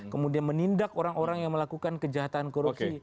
kemudian menindak orang orang yang melakukan kejahatan korupsi